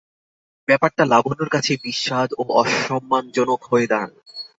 ব্যাপারটা লাবণ্যর কাছে বিস্বাদ ও অসম্মানজনক হয়ে দাঁড়াল।